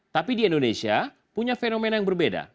tapi di indonesia punya fenomena yang berbeda